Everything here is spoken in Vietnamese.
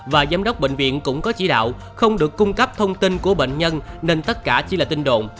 và giám đốc bệnh viện cũng có chỉ đạo không được cung cấp thông tin của bệnh nhân nên tất cả chỉ là tin đồn